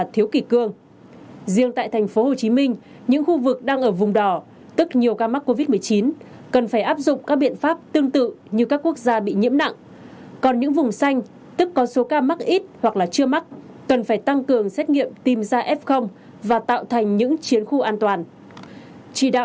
thế bây giờ thì mình biết thế nào về cái vấn đề này chưa ạ